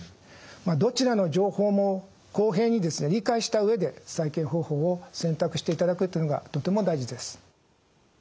どちらの情報も公平に理解した上で再建方法を選択していただくというのがとても大事です。